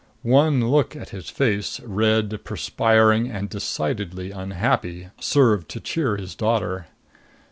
One look at his face red, perspiring and decidedly unhappy served to cheer his daughter.